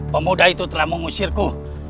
pemuda itu telah mengusirku